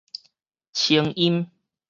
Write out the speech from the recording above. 清音